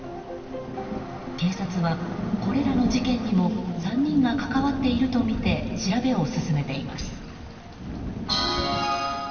警察は、これらの事件にも３人が関わっているとみて調べを進めています。